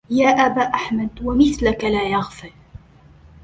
يا أبا أحمد ومثلك لا يغفل